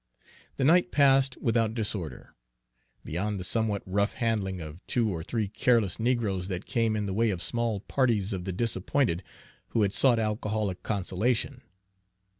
The night passed without disorder, beyond the somewhat rough handling of two or three careless negroes that came in the way of small parties of the disappointed who had sought alcoholic consolation.